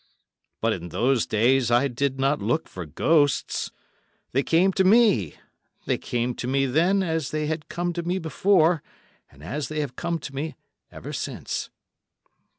But in those days I did not look for ghosts—they came to me; they came to me then, as they had come to me before, and as they have come to me ever since.